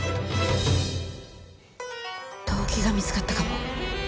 動機が見つかったかも。